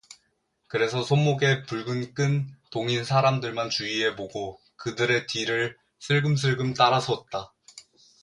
그래서 손목에 붉은 끈 동인 사람들만 주의해 보고 그들의 뒤를 슬금슬금 따라 섰다.